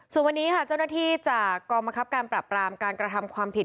ส่วนวันนี้ค่ะเจ้าหน้าที่จากกองบังคับการปรับรามการกระทำความผิด